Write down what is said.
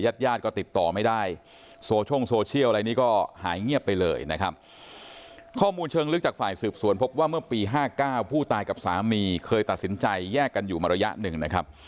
ญาติญาติก็ติดต่อไม่ได้โซช่งโซเชียลอะไรนี่ก็หายเงียบไปเลยนะครับข้อมูลเชิงลึกจากฝ่ายสืบสวนพบว่าเมื่อปี๕๙ผู้ตายกับสามีเคยตัดสินใจแยกกันอยู่มาระยะหนึ่งนะครับ